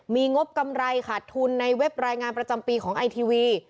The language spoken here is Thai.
มีงบกำไรขาดทุนในเว็บรายงานประจำปีของไอทีวี